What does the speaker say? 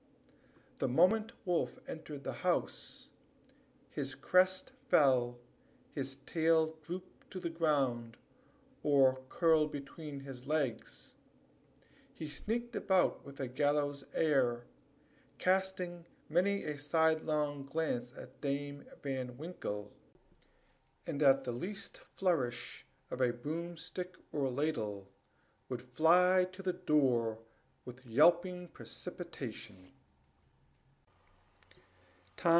The moment Wolf entered the house his crest fell, his tail drooped to the ground, or curled between his legs, he sneaked about with a gallows air, casting many a sidelong glance at Dame Van Winkle, and at the least flourish of a broomstick or ladle he would fly to the door with yelping precipitation.